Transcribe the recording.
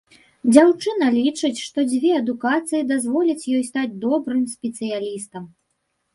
Дзяўчына лічыць, што дзве адукацыі дазволяць ёй стаць добрым спецыялістам.